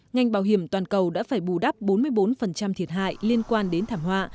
ngành bảo hiểm toàn cầu đã phải bù đắp bốn mươi bốn thiệt hại liên quan đến thảm họa